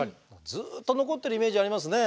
ずっと残ってるイメージありますね。